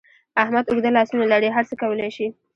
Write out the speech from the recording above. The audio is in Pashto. احمد اوږده لاسونه لري؛ هر څه کولای شي.